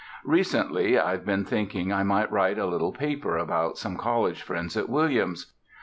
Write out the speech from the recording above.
"Recently, I've been thinking I might write a little paper about some college friends at Williams.